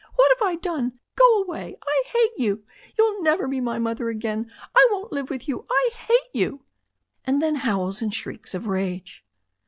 What have I done? Go away! I hate you! You'll never be my mother again. I won't live with you! I hate you!'* And then howls and shrieks of rage.